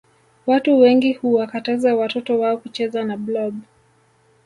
Watu wengi huwakataza watoto wao kucheza na blob